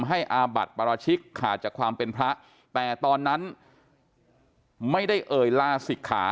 อาบัติปราชิกขาดจากความเป็นพระแต่ตอนนั้นไม่ได้เอ่ยลาศิกขา